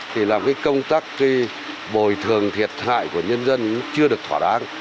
thì làm cái công tác cái bồi thường thiệt hại của nhân dân cũng chưa được thỏa đáng